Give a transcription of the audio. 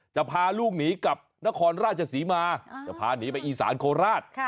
จะพาลูกหนีกับนครราชศรีมาจะพาหนีไปอีสานโคราช